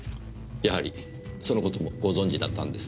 やはりその事もご存じだったんですね。